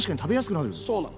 そうなの。